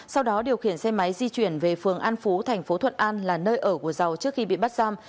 sau đó điều khiển xe máy di chuyển về phường an phú thành phố thuận an là nơi ở của dầu trước khi bị bắt giam